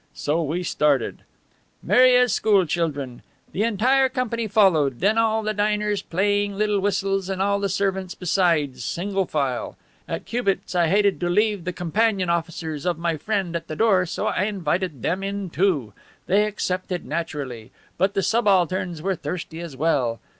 So we started, merry as school children. The entire company followed, then all the diners playing little whistles, and all the servants besides, single file. At Cubat's I hated to leave the companion officers of my friend at the door, so I invited them in, too. They accepted, naturally. But the subalterns were thirsty as well.